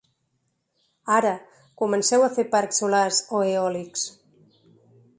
Ara, comenceu a fer parcs solars o eòlics.